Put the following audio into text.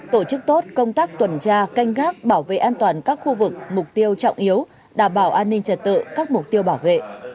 tổ chức tốt công tác tuần tra canh gác bảo vệ an toàn các khu vực mục tiêu trọng yếu đảm bảo an ninh trật tự các mục tiêu bảo vệ